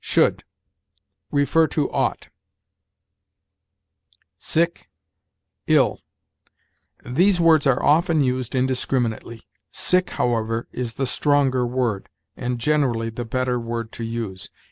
SHOULD. See OUGHT. SICK ILL. These words are often used indiscriminately. Sick, however, is the stronger word, and generally the better word to use.